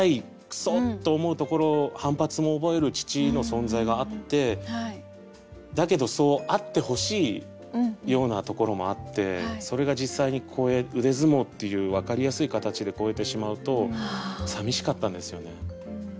クソ！」と思うところ反発も覚える父の存在があってだけどそうあってほしいようなところもあってそれが実際に腕相撲っていう分かりやすい形で越えてしまうとさみしかったんですよね。